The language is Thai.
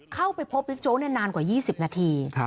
เข้าไปพบบิ๊กโจ๊กนานกว่า๒๐นาที